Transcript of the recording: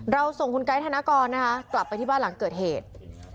ส่งคุณไกด์ธนกรนะคะกลับไปที่บ้านหลังเกิดเหตุ